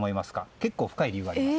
結構、深い理由があります。